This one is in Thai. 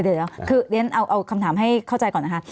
เดี๋ยวคือเรียนเอาคำถามให้เข้าใจก่อนนะคะ